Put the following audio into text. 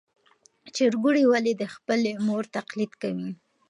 چرګوړي ولې د خپلې مور تقلید کوي؟